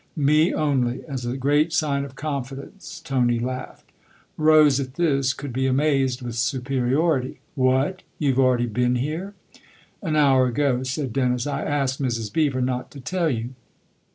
" Me only as a great sign of confidence," Tony laughed. Rose, at this, could be amazed with superiority. " What ? you've already been here ?" "An hour ago," said Dennis. "I asked Mrs. Beever not to tell you."